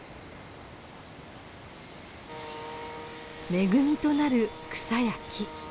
恵みとなる草や木。